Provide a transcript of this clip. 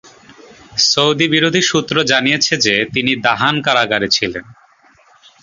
Saudi বিরোধী সূত্র জানিয়েছে যে তিনি দাহান কারাগারে ছিলেন।